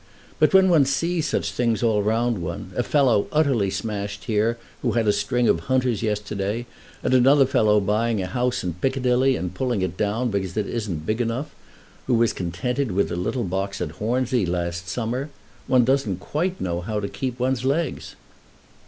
But when one sees such things all round one, a fellow utterly smashed here who had a string of hunters yesterday, and another fellow buying a house in Piccadilly and pulling it down because it isn't big enough, who was contented with a little box at Hornsey last summer, one doesn't quite know how to keep one's legs."